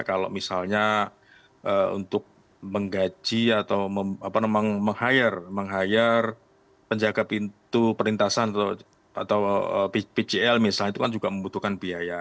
kalau misalnya untuk menggaji atau meng hire penjaga pintu perlintasan atau pjl misalnya itu kan juga membutuhkan biaya